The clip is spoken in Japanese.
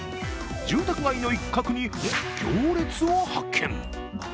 住宅街の一角に行列を発見。